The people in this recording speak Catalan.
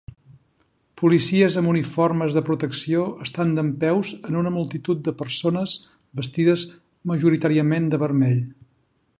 Policies amb uniformes de protecció estan dempeus en una multitud de persones vestides majoritàriament de vermell.